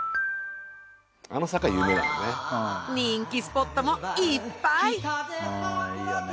人気スポットもいっぱいいい